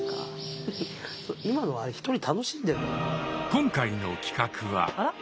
今回の企画は。